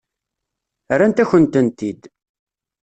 Rrant-akent-tent-id.